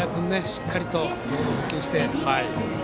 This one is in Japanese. しっかりとボールを捕球して。